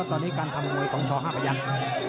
ตอนนี้การทำมวยของช๕พยักษ์